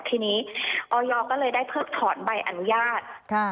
ทีนี้ออยก็เลยได้เพิกถอนใบอนุญาต